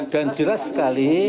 dan jelas sekali